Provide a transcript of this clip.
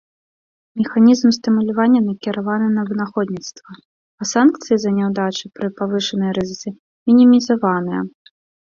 Механізм стымулявання накіраваны на вынаходніцтва, а санкцыі за няўдачы пры павышанай рызыцы мінімізаваныя.